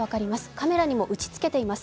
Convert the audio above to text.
カメラにも打ちつけています。